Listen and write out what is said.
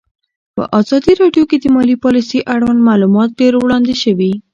په ازادي راډیو کې د مالي پالیسي اړوند معلومات ډېر وړاندې شوي.